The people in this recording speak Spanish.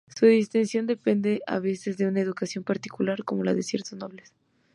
Su distinción depende a veces de una educación particular, como la de ciertos nobles.